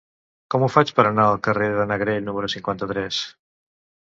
Com ho faig per anar al carrer de Negrell número cinquanta-tres?